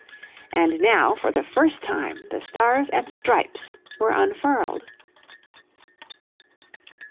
And now for the first time the Stars and Stripes were unfurled.